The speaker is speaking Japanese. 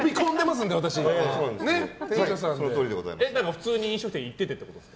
普通に飲食店行っててってこと？